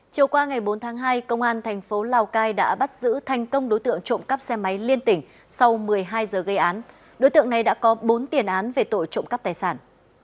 chiều qua ngày bốn tháng hai công an thành phố lào cai đã bắt giữ thành công đối tượng trộm cắp xe máy liên tỉnh sau một mươi hai giờ gây án đối tượng này đã có bốn tiền án về tội trộm cắp tài sản